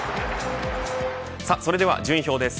それでは順位表です。